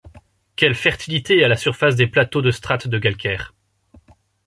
Quelle fertilité à la surface des plateaux de strate de calcaire!